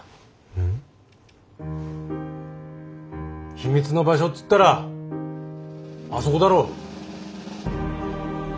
秘密の場所っつったらあそこだろ。